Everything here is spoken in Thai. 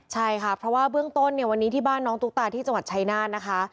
ใช่ค่ะเพราะว่าเบื้องต้นเนี่ยวันนี้ที่บ้านน้องตุ๊กตาที่จังหวัดชายนาฏนะคะ